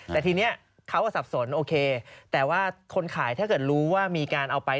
แต่ทีนี้เขาก็สับสนโอเคแต่ว่าคนขายถ้าเกิดรู้ว่ามีการเอาไป